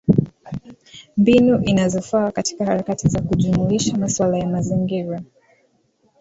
Mbinu inazofaa katika harakati za kujumuisha masuala ya mazingira